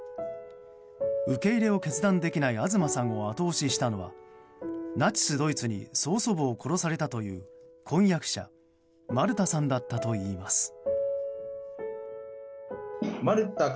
受け入れを決断できない東さんを後押ししたのはナチスドイツに曾祖母を殺されたという婚約者マルタさんだったといいます。